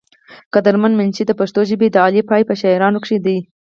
قدر مند منشي د پښتو ژبې د اعلى پائي پۀ شاعرانو کښې دے ۔